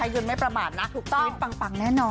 มีคนช่วยนับยังจะไปสมัครนับเงินเขาอีก